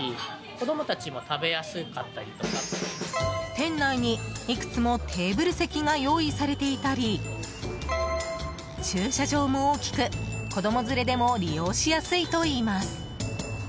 店内にいくつもテーブル席が用意されていたり駐車場も大きく、子供連れでも利用しやすいといいます。